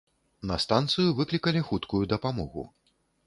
На станцыю выклікалі хуткую дапамогу.